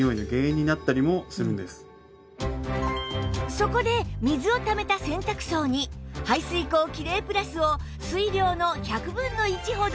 そこで水をためた洗濯槽に排水口キレイプラスを水量の１００分の１ほど入れます